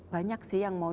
banyak sih yang mau